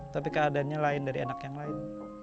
tapi keadaannya lain dari anak yang lain